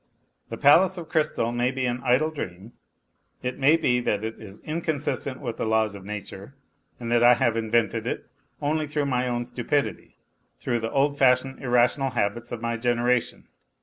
The palace of crystal may be an idle dream, it may be that it is inconsistent with the laws of nature and that I have invented it only through my own stupidity, through the old fashioned irrational habits of my generation.